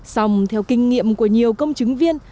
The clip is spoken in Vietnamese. xong theo kinh nghiệm của nhiều công chứng viên